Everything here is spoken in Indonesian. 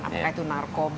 apakah itu narkoba